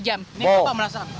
ini apa merasa